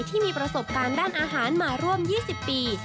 ที่มีประสบการณ์ด้านอาหารมาร่วม๒๐ปี